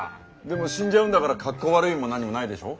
でも死んじゃうんだから格好悪いも何もないでしょ？